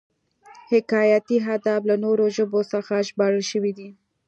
حکایتي ادب له نورو ژبو څخه ژباړل شوی دی